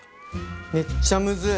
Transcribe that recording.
めっちゃむずい。